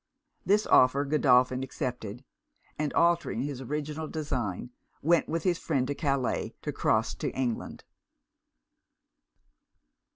This offer Godolphin accepted; and altering his original design, went with his friend to Calais to cross to England.